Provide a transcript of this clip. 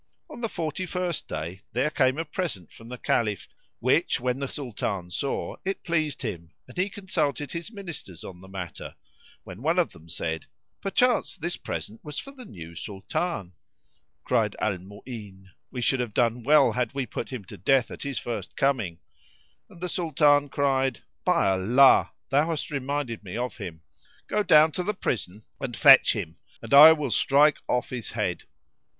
On the forty first day there came a present from the Caliph; which when the Sultan saw, it pleased him and he consulted his Ministers on the matter, when one of them said, "Perchance this present was for the new Sultan." Cried Al Mu'ín, "We should have done well had we put him to death at his first coming;" and the Sultan cried "By Allah, thou hast reminded me of him! Go down to the prison and fetch him, and I will strike off his head."